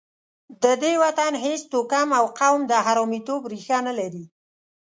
د دې وطن هېڅ توکم او قوم د حرامیتوب ریښه نه لري.